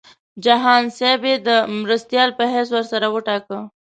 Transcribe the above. جهان خان یې د مرستیال په حیث ورسره وټاکه.